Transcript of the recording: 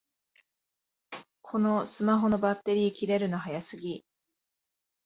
このスマホのバッテリー切れるの早すぎ